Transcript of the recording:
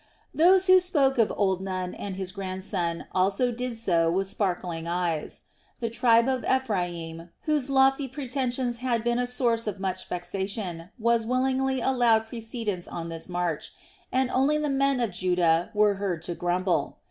Those who spoke of old Nun and his grandson also did so with sparkling eyes. The tribe of Ephraim, whose lofty pretensions had been a source of much vexation, was willingly allowed precedence on this march, and only the men of Judah were heard to grumble.